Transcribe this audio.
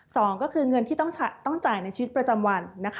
สองก็คือเงินที่ต้องจ่ายในชีวิตประจำวันนะคะ